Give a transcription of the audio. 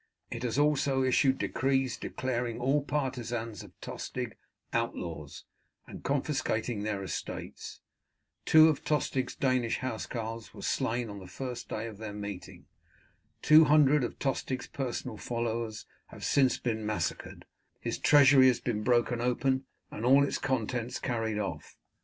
It has also issued decrees declaring all partisans of Tostig outlaws, and confiscating their estates. Two of Tostig's Danish housecarls were slain on the first day of their meeting. Two hundred of Tostig's personal followers have since been massacred; his treasury has been broken open, and all its contents carried off.